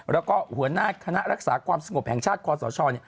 แล้วก็หัวหน้าคณะรักษาความสงบแห่งชาติคอสช